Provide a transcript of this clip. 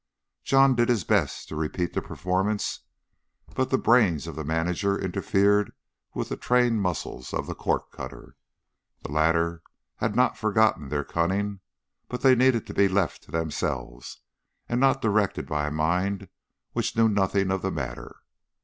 John did his best to repeat the performance, but the brains of the manager interfered with the trained muscles of the corkcutter. The latter had not forgotten their cunning, but they needed to be left to themselves, and not directed by a mind which knew nothing of the matter.